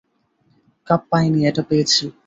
Cup পাইনি এটা পেয়েছি।